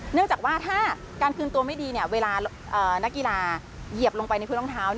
เนื่องจากว่าถ้าการคืนตัวไม่ดีเวลานักกีฬาเหยียบลงไปในพื้นรองเท้า